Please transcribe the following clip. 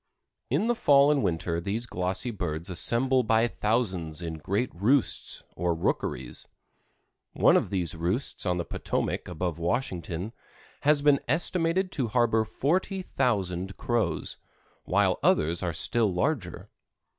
In the fall and winter these glossy birds assemble by thousands in great roosts, or rookeries; one of these roosts on the Potomac above Washington has been estimated to harbor 40,000 Crows, while others are still larger.